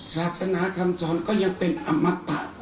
ศาสนาคำสอนก็ยังเป็นอมตะ